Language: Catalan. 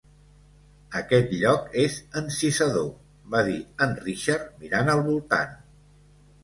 "Aquest lloc és encisador" va dir en Richard mirant al voltant.